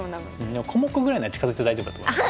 でも小目ぐらいなら近づいて大丈夫だと思います。